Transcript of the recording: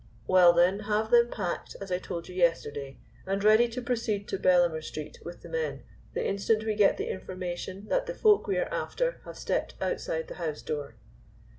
"Well then, have them packed as I told you yesterday, and ready to proceed to Bellamer Street with the men, the instant we get the information that the folk we are after have stepped outside the house door."